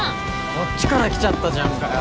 こっちから来ちゃったじゃんかよ！